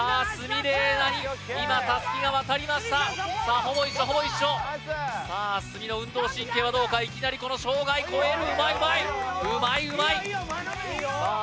鷲見玲奈に今タスキが渡りましたさあほぼ一緒ほぼ一緒鷲見の運動神経はどうかいきなりこの障害越えるうまいうまいうまいうまいさあ